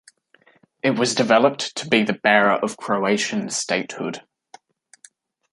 It was developed to be the bearer of Croatian statehood.